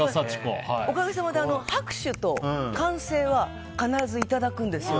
おかげさまで、拍手と歓声は必ずいただくんですよ。